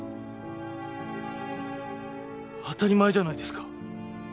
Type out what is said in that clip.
当たり前じゃないですか。